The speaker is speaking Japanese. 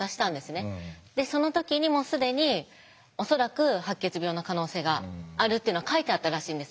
でその時にもう既に恐らく白血病の可能性があるっていうのは書いてあったらしいんです。